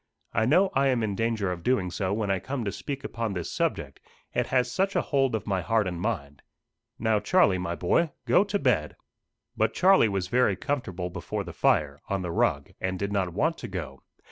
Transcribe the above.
"I know I am in danger of doing so when I come to speak upon this subject: it has such a hold of my heart and mind! Now, Charlie, my boy, go to bed." But Charlie was very comfortable before the fire, on the rug, and did not want to go.